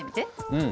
うん。